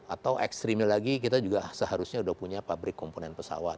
atau ekstrimnya lagi kita juga seharusnya sudah punya pabrik komponen pesawat